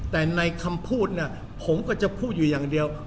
แต่ในคำพูดเนี่ยผมก็จะพูดอยู่อย่างเดียว